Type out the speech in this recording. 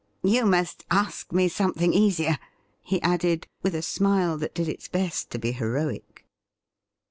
You must ask me some thing easier,' he added, with a smile that did its best to be heroic.